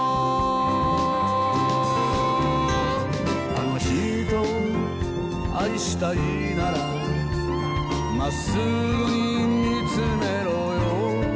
「あの人を愛したいなら」「まっすぐに見つめろよ」